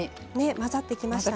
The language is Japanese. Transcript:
混ざってきましたね。